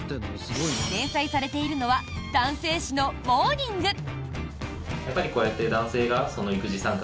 連載されているのは男性誌の「モーニング」。